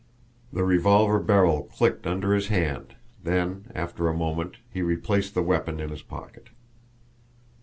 The revolver barrel clicked under his hand, then, after a moment, he replaced the weapon in his pocket.